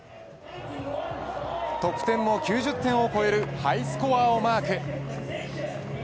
得点も９０点を超えるハイスコアをマーク。